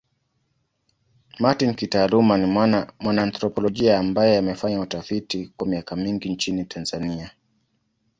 Martin kitaaluma ni mwana anthropolojia ambaye amefanya utafiti kwa miaka mingi nchini Tanzania.